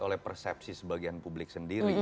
oleh persepsi sebagian publik sendiri